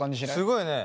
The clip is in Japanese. すごいね。